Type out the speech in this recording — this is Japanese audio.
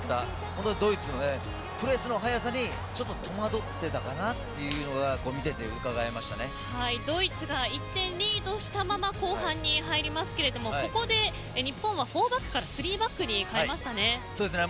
このドイツのプレスの速さに戸惑っていたかなというのがドイツが１点リードしたまま後半に入りますけれども、ここで日本は４バックから３バックに変えましたね。